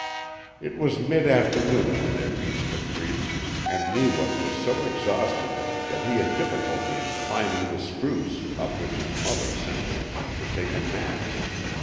It was mid afternoon when they reached the creek, and Neewa was so exhausted that he had difficulty in climbing the spruce up which his mother sent him to take a nap.